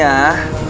aku itu berbuat amal